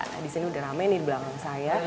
nah disini udah rame nih di belakang saya